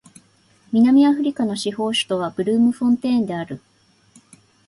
南アフリカの司法首都はブルームフォンテーンである